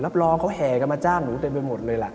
รองเขาแห่กันมาจ้างหนูเต็มไปหมดเลยล่ะ